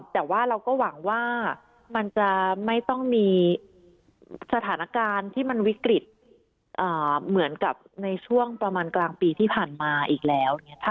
แต่ว่าเราก็หวังว่ามันจะไม่ต้องมีสถานการณ์ที่มันวิกฤตเหมือนกับในช่วงประมาณกลางปีที่ผ่านมาอีกแล้ว